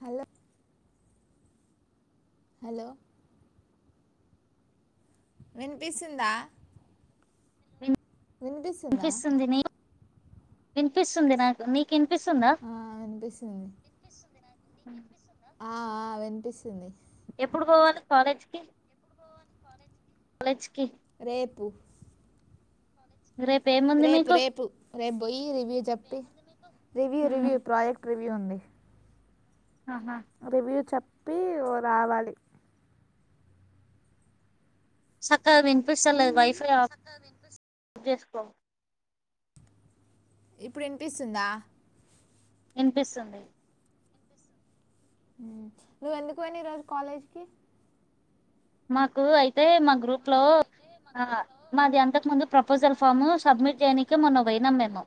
Hello hello వినిపిస్తుందా ఉ వినిపిస్తుందా వినిపిస్తుంది నాకు నీకు వినిపిస్తుందా ఆ వినిపిస్తుంది ఆ ఆ వినిపిస్తుంది ఎప్పుడు పోవాలి కాలేజ్కి కాలేజ్కి రేపు రేపు ఏముంది రేపు మీకు రేపు రేపు పోయి రివ్యూ చెప్పి రివ్యూ మ్మ్. రివ్యూ ప్రాజెక్ట్ రివ్యూ ఉంది ఆహా రివ్యూ చెప్ప చెప్పి ఓ రావాలి సక్క సక్కగా వినిపిస్తలేదు వైఫై అప్ జేసుకో ఇప్పుడు వినిపిస్తుందా వినిపిస్తుంది నువ్వెందుకు అనా ఈరోజు కాలేజ్కిి మకుళ యితు అతే మా గ్రూప్లో మాది అంతకు ముందు ప్రపోజల్ ఫాము సబ్మిట్ చేయనికే మొన్న పోయినాం మేము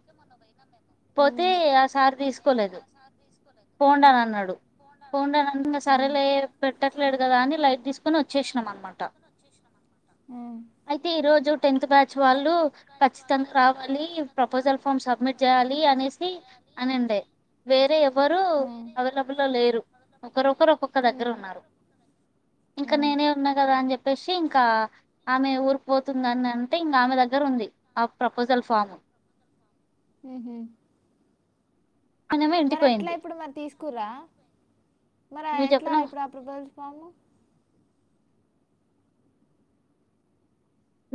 పోతే ఉమ్, ఆ సారి తీసుకోలేదు ఫోన్డా అని ఉమ్, అన్నాడు ఫోన్డాన్ ఆ, సరేలే పెట్టట్లేదు కదా అని లైట్ తీసుకొని వచ్చ చేసినాం అనమాట ఉమ్, అయితే ఈరోజు టెన్త్ బ్యాచ్ వాళ్ళు ఖచ్చితంగా రావాలి ప్రపోజల్ ఫామ్ సబ్మిట్ చేయాలి అనేసి అనిండే వేరే ఎవ్వరుూ అవైలబుల్లో లేరు ఒకరొకరు ఒక్కొక్కరు దగ్గర ఉన్నారు ఇంక నేనే ఉన్నా కదా అని చెప్పేసి ఇంకా ఆమె ఊరికుపోతుందని అంటే ఇంకా ఆమె దగ్గర ఉంది ఆ ప్రపోజల్ ఫాము హ ఆమెనేమో ఇంటికి మరి ఎట్లా పోయింది ఇప్పుడు మరి తీసుకురా మరి నువ్వు ఎట్లా చెప్పినావు ఇప్పుడు ఆ ప్రభో స్వాము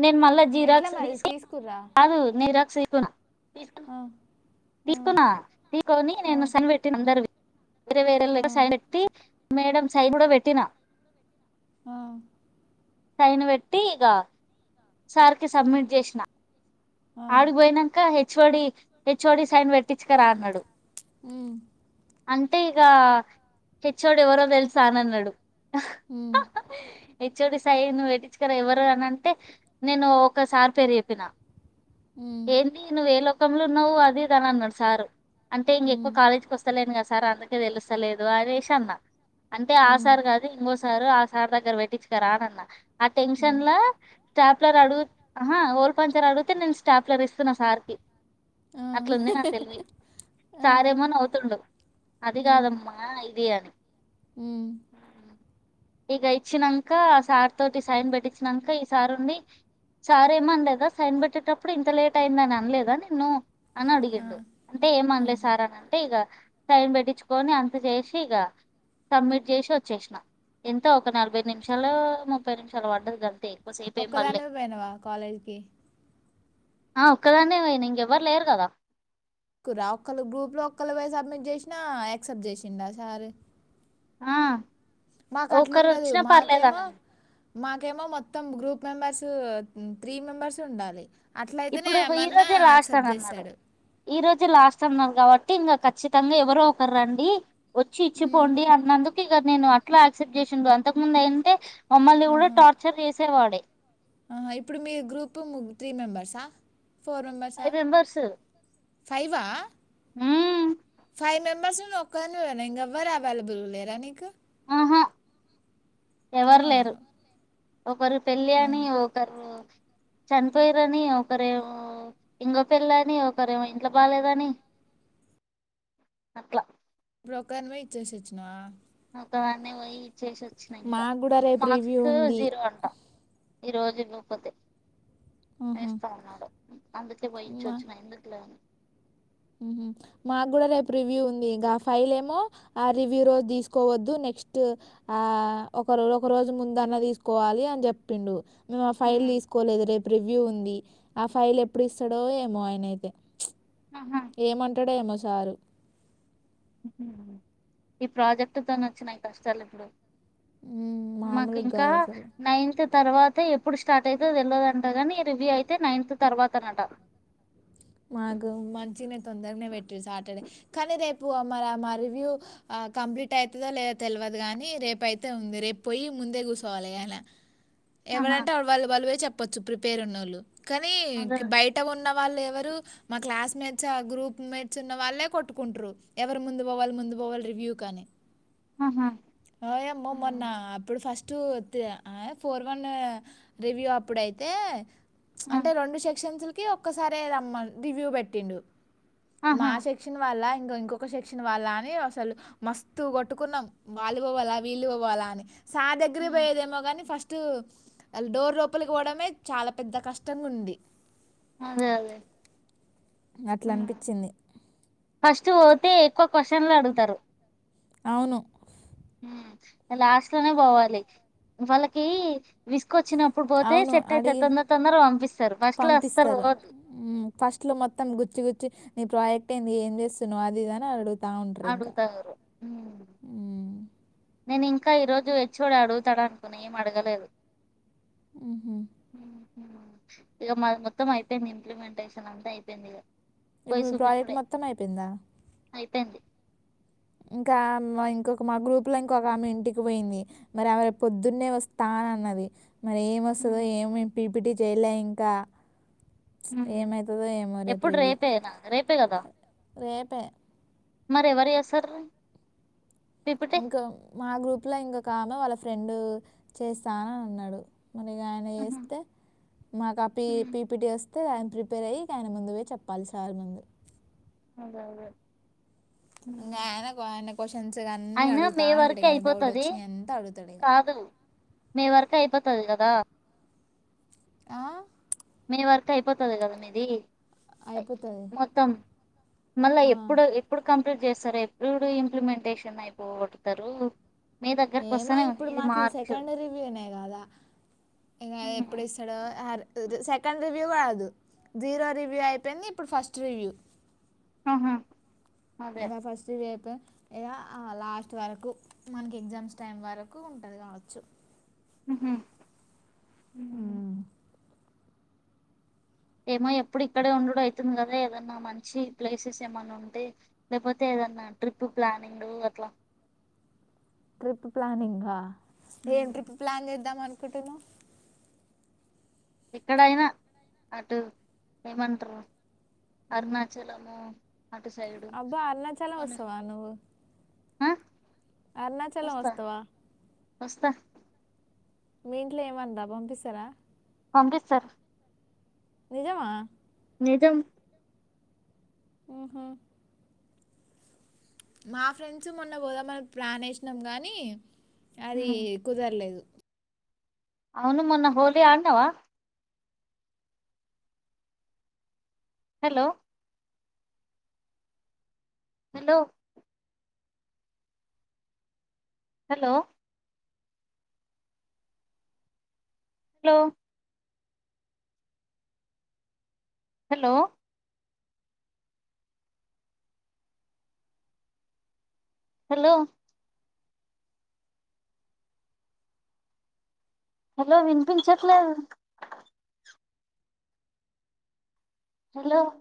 నేను మళ్ళా ఎట్లా జీరాక్స్ మరి తీసి తీసుకుర్రా కాదు నీరాక్ రక్షికను ఆ ఆ, తీకునా తీకొని ఆ, నేను సనిపెట్టి అందరు వేరే వేర ఆ, సై పెట్టి మేడం సైడ పెట్టినా ఆ టైన్ పెట్టి ఇక సార్కి సబ్మిట్ చేసిన ఆ. ఆడుగు పోయినాకచ్చ హెచ్ఓడి హెచ్ఓడి సైన్ పెట్టించక రాన్నాడు అ అంటే ఇక హెచ్ోడు ఎవరో తెలుసా అన అన్నాడు మ్మ్, ఎ చోడి సయి నువ్వు వట్టించుకురా ఎవ్వరు అని అంటే నేను ఒకసారి పెేరు చెప్పిన మ్మ్, ఏందిను వేళ పుఖంలో నవ్వు అదేదని అన్నాడు సారు అంటేం ఎక్కువ మ్మ్, కాలజ్కి వస్తాేను కా సార్ తీసుకుని అందుకే అనుకోలేదు, తెలుసలేదు అనేసాను నా అంటే మ్మ్, మ్మ్, ఆశారు కాదు ఇంకోసారు సార్ా గరవెటీ చ కాాలన్నా ఆ టెన్షన్ లో స్టాఫ్ రాడు ఓల్పన్ంచ రాడు అయితే నేను స్టాప్ ల ఇస్తున్నా సార్ కకి ఆ. అట్లాంది నాకు తెలివి ఆ. సారేమోని అవుతుండడు అది ఉమ్. కాదమ్మా ఇది అని ఉమ్. ఇక ఇచ్చినాక ఆ సార్ తోటి సైన్ పెట్టించినాక ఈ సార్ ఉండి సార్ ఏమనిలేదా సైన్ పెట్టి పెట్టేటప్పుడు ఇంత లేట్ అయిందని అనలేదా నిన్ను అని ఆ. అడిగిండు అంటే ఆహా. ఏమనలేదు సార్ అని అంటే ఇగ సైన్ పెట్టిచ్చుకొని అంత చేసి ఇగ సబ్మిట్ చేసి వచ్చేసినా ఎంత ఒక నలభై నిమిషాలు ముప్పై నిమిషాలు పడ్డది గంతే ఇ ఒక్కదానివె పోయినావా కాలేజ్ కి ఆ ఒక్కదాన్నే పొయిన ఇంగెవ్వరు లేరు కదా కురా ఒక్కళ్ళు గ్రూప్ లో ఒక్కళ్రు బొయ్ సబ్మిట్ జేసినా యాక్సెప్ట్ జేసిండ సారు ఆ మాకు ఒకరు అట్లుండదు వచ్చినా మాకేమో పర్లేదనను మాకేమో మొత్తం గ్రూప్ మెంబెర్స్ త్రీ మెంబర్సు ఉండాలి అట్లయితేనే ఇప్పుడు ఈ ఏమన్నా రోజే లాస్ట్ యాక్సెప్ట్ అని అన్నాడు చేస్తాడు ఈ రోజే లాస్ట్ అన్నారు కాబ ట్టి ఇంగ ఖచ్చితంగా ఎవరో ఒకరు రండి వొచ్చి ఉమ్. ఇచ్చిపోండి అన్నందు కి ఇగ నేను అట్లా యాక్సెప్ట్ చేసిండు అంతకు ముందు అయింటే మమ్మల్ని గుడా టార్చర్ చేస్ సే వాడె అహా ఇప్పుడు మీ గ్రూపు త్రీ మెంబర్సా ఫోర్ మెంబర్సా ఫైవ్ మెంబర్స్ ఫైవా ఊ ఫైవ్ మెంబర్స్ లొ నువ్వు వొక్కదానివేన ఇంగ ఎవ్వరు అవైలబుల్ లేరా నీకు ఆహా ఆ ఎవరు లేరు ఒకరు పెళ్ళి అని ఒకరు చనిపోయరని ఒకరేమో ఇంగ పెళ్ళ అని ఒకరేమో ఇంట్లో బాలేదని అట్లా ఇప్పుడు ఒకదానివె ఇచ్చేసి వొచ్చినావ ఒక్క దాన్నే వొయ్ చేసొచ్చినా ఇంకా మాకు కూడా రేపు రివ్యూ మార్క్సు ఉంది జీరో అంటా ఈ రోజు నువ్వు పొతె ఉహు. వేస్తా అన్నాడు అందుకే బొయ్ మా ఇచ్చొచ్చిన ఎందుకు లే అని ఉహు మాకు గుడా రేపు రివ్యూ ఉంది గా ఫైల్ ఏమో ఆ రివ్యూ రోజు దీసుకోవద్దు నెక్స్ట్ ఆ ఒక ఒక రోజు ముందన్న తీసుకోవాలి అని జెప్పిండు మేము ఆ ఫైల్ హ్మ్. దీసుకోలేదు రేప్ రివ్యూ ఉంది ఆ ఫైల్ ఎప్పుడు ఇస్తాడో ఏమో ఆ యన అయితే ఆహా ఏమంటాడొ ఏమొ సారు ఈ ప్రాజెక్టుతోను వొచ్చినాయ్ కష్టాలు ఇప్పుడు ఉమ్, మాకు మామూలుగా ఇంకా కాదు అసలు నైన్తు తర్వాత ఎప్పుడు స్టార్ట్ అయితే వెళ్ళదుంట కానీ రివ్యూ అయితే నైన్త్ తర్వాత అనంట మాకు మంచిగానే తొందరగానే పెట్ట సాటర్డే కానీ రేపు మరి మా రివ్యూ కంప్లీట్ అవుతుందో లేదా తెలియదు కానీ రేపు అయితే ఉంది రేపు పోయి ముందే కూర్చోవాలి అయ్యాల ఆహా ఎవరంటే వా వాళ్ళు బలువే చెప్ప పచ్చు ప్రిపేర్ ఉన్న వాళ్ళు కానీ అదే బయట ఉన్నాం వాళ్ళు ఎవరు మా క్లాస్ మేట్స్ ఆ గ్రూప్ మేట్స్ ఉన్న వాళ్ళే కొట్టుకుంట్ర ఎవరు ముందు పోవాలి ముందు పోవాలి రివ్యూ కానీ ఆహా ఏ మ మన నాప్పుడు ఫస్ట్ టూ త ఫోర్ వన్ రివ్యూ అప్పుడైతే ఆహా అంటే రెండు సెక్షన్స్ ఒక్కసారిే రమ్మాల దివ్యూ పెట్టిండు మా ఆహా శక్షన్ వాళ్ళా ఇంకా ఇంకొక సెక్షన్ వాళ్ళ అని అసలు మస్తు కొట్టుకున్నాం వాళ్ళు పోవాలా వీళ్ళు పోవాలా అని సా దగ్గరే ఉమ్. పోయేదేమో కానీ ఫస్ట్ అ డోర్ లోపలికి పోవడమే చాలా పెద్ద కష్టంగా ఉంది అదే అదే అట్లా అనిపించింది ఫస్తే ఒక్క క్వశ్చన్ లో అడుగుతారు అవును లాస్ట్ లోనే పోవాలి వాళ్ళకి వి వచ్చినప్పుడు పోతే అవును సెట్ అవుత అడిగి తొందర తొందర పంపిస్తారు బస్ట్ లో వస్తారు పంపిస్తారు పోదు మ్మ్. ఫస్ట్లో మొత్తం గుచ్చి గుచ్చి నీ ప్రాజెక్ట్ ఏయింది ఏం చేస్తున్నావు అది అని అడుగు ఆడుగుతారు హ మ్మ్. నేను ఇంకా ఈరోజు వచ్చిోడాడు తడా అనుకుని అడగలేదు ఆహ ఇక మొత్తం అయిపోయింది ఇంప్లిమెంటేషన్ అంతే అయిపోయింది ఇక ఇ పోయి ప్రాజెక్ట్ మొత్తం అయిపోయిందా డి ఇంకా ఇంకొక మా గ్రూప్ లో ఇంకొక ఆమె ఇంటికి పోయింది మరి ఆమెరి పొద్దున్నే వస్తాన అన్నది మరి ఏమ వస్తుందో ఏమి పిడిపిడి శయలంక ఎప్పుడు రివ్యూ రేపేనా రేపే కదా పే మరి ఎవరి అ సర ఇంకా మా గ్రూప్లా ఇంకోకామె వాళ్ళ ఫ్రెండ్ డు చేస్తాన్నాడు మరిగా ఆయన చేస్తే మాక్ ఆ పి పీపిటీ వస్ అయితే ఆయన ప్రిపేర్ అయ్యి ఆయన ముందువోయి చెప్పాలి సార్ ముందు అదదే న్యనాకు అనకు చిగా అన్నీ అయినా అడుగుతూ మే ఉంటడు వరకే ఇగ డౌట్ అయిపోతది వచ్చినయి అంతా అడుగుతాడు ఇగా తది కదా ఆ మే వరకు అయిపోతది కదా మీది అయిపోతది మొత్తం మళ్ళా ఎప్పుడు ఎప్పుడు కం ఏప్ చేస్తారు ఎప్పుడూ ఇంప్లిమెంటేషన్ అయిపోగోడుతారు ఏమ ఇప్పుడు మాకు ఇది సెకండ్ రివ్యూనే కదా ఇంగ అది ఎప్పుడు ఇస్తాడో సెక్ సెకండ్ రివ్యూ కాదు జీరో రివ్యూ అయిపోయింది ఇప్పుడు ఫస్ట్ రివ్యూ ఆహా అదే ఇంగ ఫస్ట్ ఇదయితే ఏఆ లాస్ట్ వరకు మనకి ఎగ్జామ్స్ టైం వరకు ఉంటది కావచ్చు ఉహు ఉహు ఏమో ఎప్పుడు ఇక్కడే ఉండుడు అయితుంది కదా ఏదన్నా మంచి ప్లేసెస్ ఏమైన్నా ఉంటే లేకపోతే ఏదన్నా ట్రిప్పు ప్లానింగూ అట్లా ట్రిప్ ప్లానింగా ఏం ఉమ్. ట్రిప్ ప్లాన్ చేద్దాం అన్ కుటునవ్ ఎక్కడయినా అటు ఎమంటరు అరుణాచలము అటు సైడు అబ్బా అరుణాచలం వస్తవా నువ్వు ఆ అరుణాచలం వస్తా వస్తవా వస్తా మీ ఇంట్లా ఏమనరా పంపిస్తారా పంపిస్తార్ నిజామా నిజం ఆహా మా ఫ్రెండ్స్ మొన్న పోదామని ప్లాన్ ఏసినాం కానీ అది ఉమ్. కుదరలేదు అవును మొన్న హోలీ ఆడినవ hello hello hello hello hello hello hello వినిపించట్లేదు హలో